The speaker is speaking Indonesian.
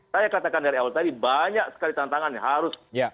saya katakan dari awal tadi banyak sekali tantangan yang harus